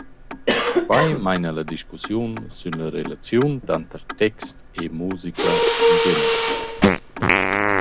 Quai maina la discussiun sün la relaziun tanter text e musica in general.